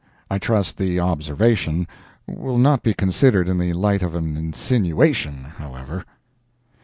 I trust the observation will not be considered in the light of an insinuation, however.